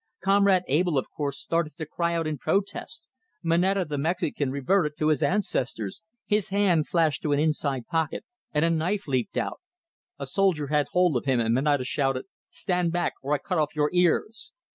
Comrade Abell, of course, started to cry out in protest; Moneta, the Mexican, reverted to his ancestors. His hand flashed to an inside pocket, and a knife leaped out. A soldier had hold of him, and Moneta shouted, "Stand back, or I cut off your ears."